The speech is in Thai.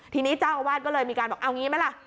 ทีนี้เจ้าวาดก็เลยมีการบอกเอาอย่างงี้มั้ยล่ะ